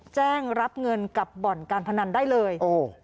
แจ้งรับเงินกับบ่อนการพนันได้เลย